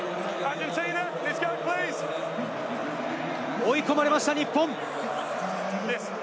追い込まれました、日本。